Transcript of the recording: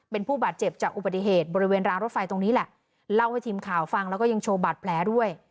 เป็นผู้บาดเจ็บจากอุบัติเหตุบริเวณรางรถไฟตรงนี้แหละเล่าให้ทีมข่าวฟังแล้วก็ยังโชว์บาดแผลด้วย